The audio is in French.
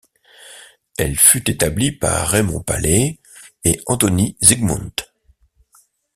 Elle fut établie par Raymond Paley et Antoni Zygmund.